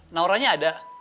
naura nya ada